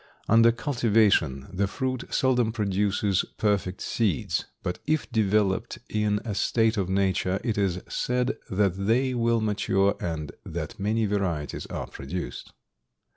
Under cultivation the fruit seldom produces perfect seeds, but if developed in a state of nature it is said that they will mature and that many varieties are produced.